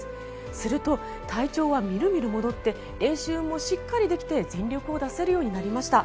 すると、体調はみるみる戻って練習もしっかりできて全力を出せるようになりました。